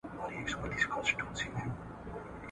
نه ښکاریانو سوای په دام کي اچولای `